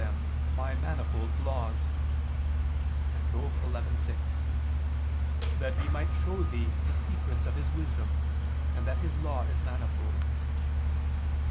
'him'] My manifold laws"; and (Job 11:6): "That He might show thee the secrets of His wisdom, and that His Law is manifold."